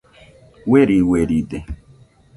Ueri ueride